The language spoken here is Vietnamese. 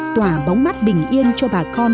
tỏa bóng mắt bình yên cho bà con